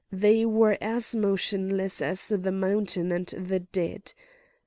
They were as motionless as the mountain and the dead.